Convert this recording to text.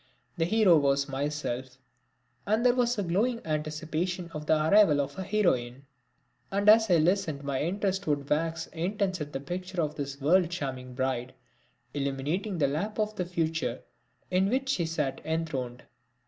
The hero was myself and there was a glowing anticipation of the arrival of a heroine. And as I listened my interest would wax intense at the picture of this world charming bride illuminating the lap of the future in which she sat enthroned.